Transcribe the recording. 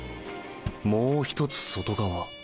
もう一つ外側？